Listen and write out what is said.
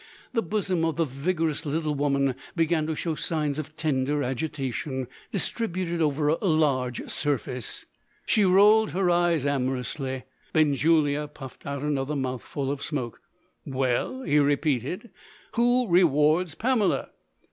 The bosom of the vigourous little woman began to show signs of tender agitation distributed over a large surface. She rolled her eyes amorously. Benjulia puffed out another mouthful of smoke. "Well," he repeated, "who rewards Pamela?"